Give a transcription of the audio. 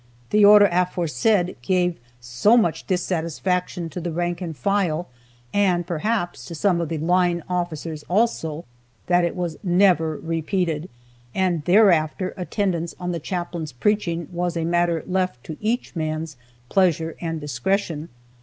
The order aforesaid gave so much dissatisfaction to the rank and file, and perhaps to some of the line officers also, that it was never repeated, and thereafter attendance on the chaplain's preaching was a matter left to each man's pleasure and discretion.